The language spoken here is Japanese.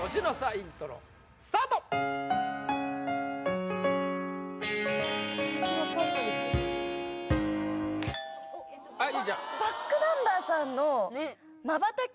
イントロスタート結実ちゃんｂａｃｋｎｕｍｂｅｒさんの「瞬き」